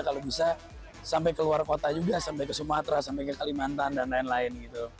kalau bisa sampai keluar kota juga sampai ke sumatera sampai ke kalimantan dan lain lain gitu